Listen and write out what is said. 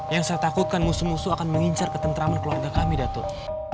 yang saya takutkan musuh musuh akan mengincar ke tenteraman keluarga kami datuk